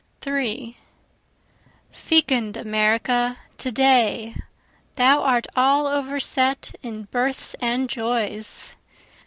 3 Fecund America today, Thou art all over set in births and joys!